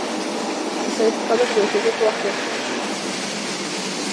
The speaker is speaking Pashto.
سید په کابل کې د اوسېدلو په وخت کې.